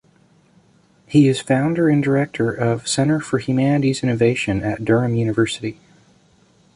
He is founder and director of Centre for Humanities Innovation at Durham University.